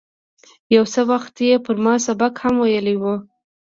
یو څه وخت یې پر ما سبق هم ویلی و.